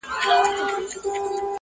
o ځه پرېږده وخته نور به مي راويښ کړم .